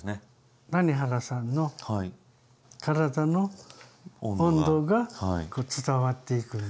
谷原さんの体の温度が伝わっていくんですね。